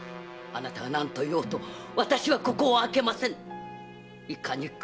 あなたが何といおうと私はここを開けませぬ！